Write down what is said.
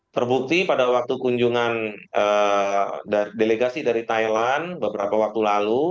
terbukti pada waktu kunjungan delegasi dari thailand beberapa waktu lalu